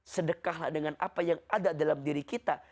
sedekahlah dengan apa yang ada dalam diri kita